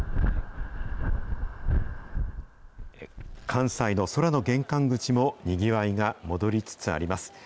関西の空の玄関口もにぎわいが戻りつつあります。